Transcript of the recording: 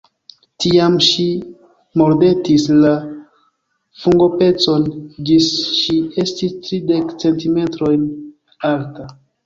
Tiam, ŝi mordetis la fungopecon ĝis ŝi estis tridek centimetrojn alta.